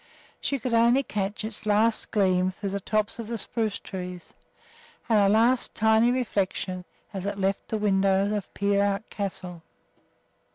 She could only catch its last gleam through the tops of the spruce trees, and a last tiny reflection as it left the window of Peerout Castle.